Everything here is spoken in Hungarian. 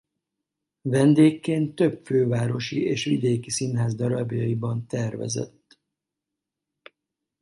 Vendégként több fővárosi és vidéki színház darabjaiban tervezett.